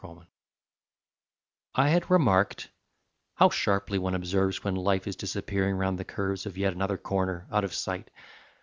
VALEDICTORY I had remarked how sharply one observes When life is disappearing round the curves Of yet another corner, out of sight!